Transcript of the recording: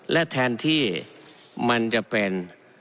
และแทนที่มันจะเป็น